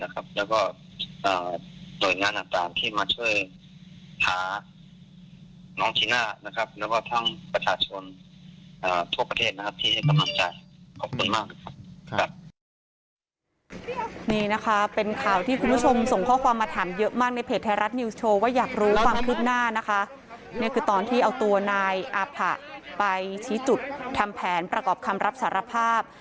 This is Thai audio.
ก็เขาก็เห็นก็อย่างนี้ยังเป็นรมนะว่ายังเป็นรมคู่นะครับให้ด้วยการเค้าน่าจะมีมากกว่านึงคนค่ะแต่ว่าใช่อย่างใครก็ไม่สาบ